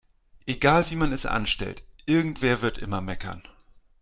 Egal wie man es anstellt, irgendwer wird immer meckern.